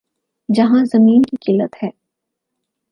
جہاں زمین کی قلت ہے۔